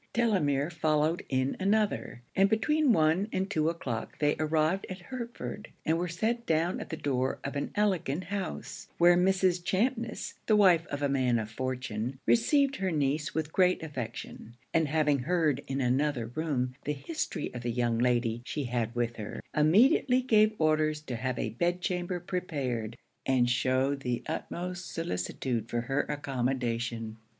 Delamere followed in another; and between one and two o'clock they arrived at Hertford, and were set down at the door of an elegant house; where Mrs. Champness, the wife of a man of fortune, received her niece with great affection; and having heard in another room the history of the young lady she had with her, immediately gave orders to have a bed chamber prepared, and shewed the utmost solicitude for her accommodation.